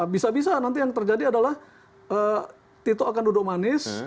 bisa bisa nanti yang terjadi adalah tito akan duduk manis